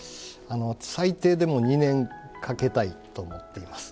最低でも２年かけたいと思っています。